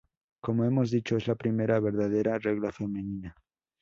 Como hemos dicho, es la primera verdadera regla femenina.